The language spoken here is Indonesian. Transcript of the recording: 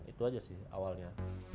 itu aja sih awalnya